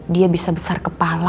dia bisa besar kepala